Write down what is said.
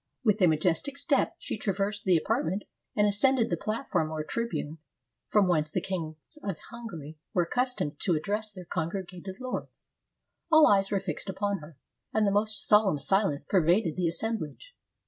With a majes tic step she traversed the apartment, and ascended the platform or tribune from whence the Kings of Hungary were accustomed to address their congregated lords. All eyes were fixed upon her, and the most solemn si lence pervaded the assemblage.